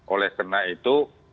oleh karena itu